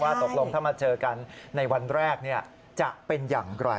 ตกลงถ้ามาเจอกันในวันแรกจะเป็นอย่างไร